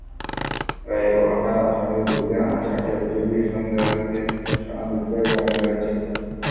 রায়ে বলা হয়, আসামিদের বিরুদ্ধে আনা চারটি অভিযোগই সন্দেহাতীতভাবে প্রমাণিত হয়েছে।